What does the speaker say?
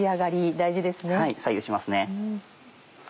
はい左右しますね。